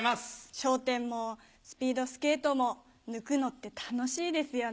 『笑点』もスピードスケートも抜くのって楽しいですよね。